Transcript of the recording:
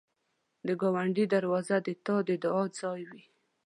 د ګاونډي دروازه د تا د دعا ځای وي